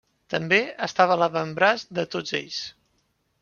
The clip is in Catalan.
També estava a l'avantbraç de tots ells.